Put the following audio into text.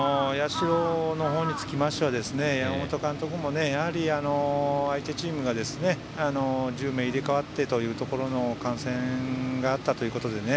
社の方につきましては山本監督も相手チームが１０名入れ替わってというところの感染があったということでね。